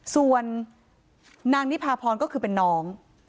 ส่วนนางนิพาพรก็คือเป็นน้อง